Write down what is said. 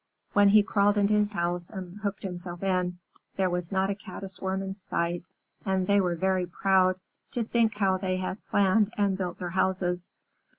When he crawled into his house and hooked himself in, there was not a Caddis Worm in sight, and they were very proud to think how they had planned and built their houses.